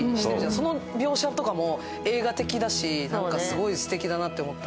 その描写とかも映画的だし、すごいすてきだなと思った。